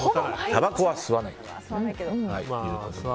たばこは吸わない。